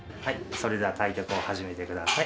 それでは対局を始めてください。